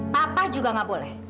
papa juga nggak boleh